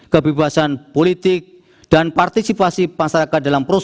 kebebasan politik dan partisipasi masyarakat dalam proses